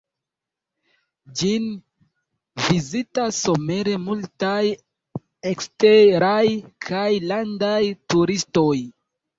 Ĝin vizitas somere multaj eksteraj kaj landaj turistoj.